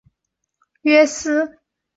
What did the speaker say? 布雷特维尔洛格约斯。